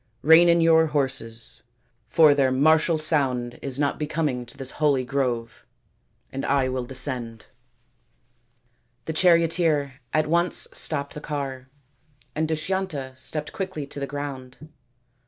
Rein in your horses, for their martial p 226 THE INDIAN STORY BOOK sound is not becoming to this holy grove, and I will descend." The charioteer at once stopped the car, and Dushyanta stepped quickly to the ground.